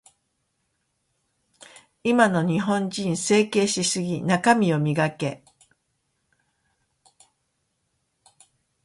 今の日本人、整形しすぎ。中身を磨け。